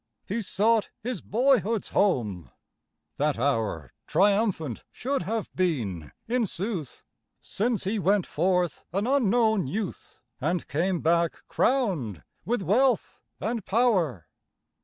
He sought his boyhood's home. That hour Triumphant should have been, in sooth, Since he went forth, an unknown youth, And came back crowned with wealth and power.